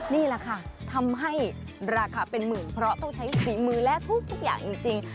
นี่แหละค่ะทำให้ราคาเป็นหมื่นเพราะต้องใช้ฝีมือและทุกอย่างจริง